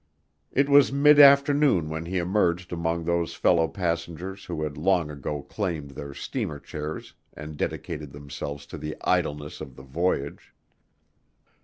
It was mid afternoon when he emerged among those fellow passengers who had long ago claimed their steamer chairs and dedicated themselves to the idleness of the voyage.